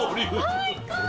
最高！